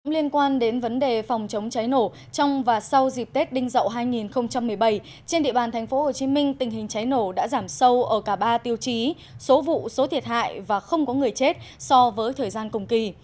liên quan đến vấn đề phòng chống cháy nổ trong và sau dịp tết đinh dậu hai nghìn một mươi bảy trên địa bàn tp hcm tình hình cháy nổ đã giảm sâu ở cả ba tiêu chí số vụ số thiệt hại và không có người chết so với thời gian cùng kỳ